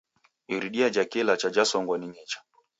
Iridia jhake ilacha jhasongwa ning'icha.